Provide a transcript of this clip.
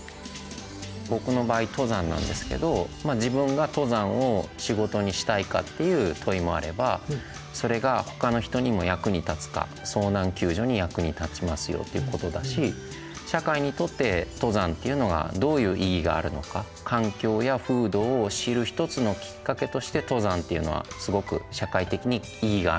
ぼくの場合登山なんですけど自分が登山を仕事にしたいかっていう問いもあればそれがほかの人にも役に立つか遭難救助に役に立ちますよっていうことだし社会にとって登山っていうのがどういう意義があるのか環境や風土を知る一つのきっかけとして登山っていうのはすごく社会的に意義があるんじゃないかっていう。